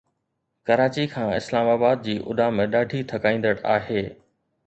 ڪراچي کان اسلام آباد جي اڏام ڏاڍي ٿڪائيندڙ آهي